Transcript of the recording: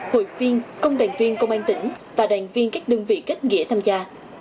hội viên công đoàn viên công an tỉnh và đoàn viên các đơn vị kết nghĩa tham gia